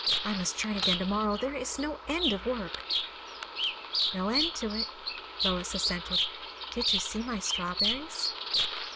I must churn again to morrow. There is no end to work!" "No end to it," Lois assented. "Did you see my strawberries?"